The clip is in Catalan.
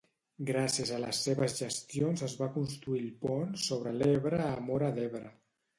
Gràcies a les seves gestions es va construir el pont sobre l'Ebre a Móra d'Ebre.